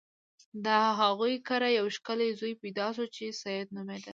د هغوی کره یو ښکلی زوی پیدا شو چې سید نومیده.